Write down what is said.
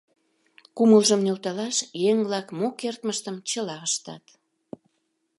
Кумылжым нӧлталаш еҥ-влак мо кертмыштым чыла ыштат.